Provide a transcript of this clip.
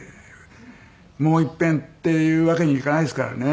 もういっぺんっていうわけにいかないですからね。